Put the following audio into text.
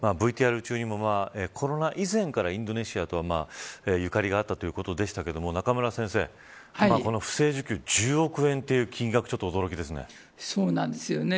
ＶＴＲ中にも、コロナ以前からインドネシアとは、ゆかりがあったということでしたけど中村先生、この不正受給１０億円という金額ちょっと驚きですね。